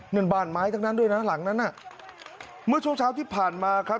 นั่นบ้านไม้ตั้งมาด้วยนะหลังนั้นนะเมื่อที่ผ่านมาครับ